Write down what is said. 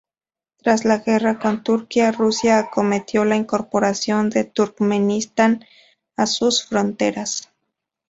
Tras la guerra con Turquía, Rusia acometió la incorporación de Turkmenistán a sus fronteras.